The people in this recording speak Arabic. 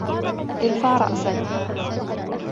ارفع رأسك.